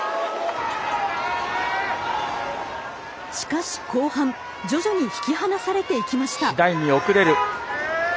しかし後半徐々に引き離されていきました。